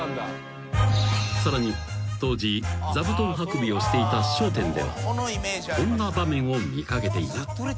［さらに当時座布団運びをしていた『笑点』ではこんな場面を見掛けていた］